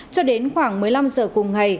cho đến khoảng một mươi năm h cùng ngày